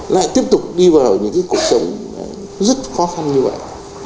lại tiếp tục đi vào những cuộc sống rất khó khăn như vậy